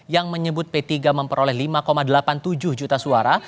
yang menyebut p tiga memperoleh lima delapan puluh tujuh juta suara